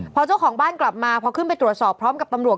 พอเจ้าของบ้านกลับมาเข้าไปตรวจสอบกับตำรวจ